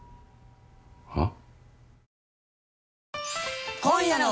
はっ？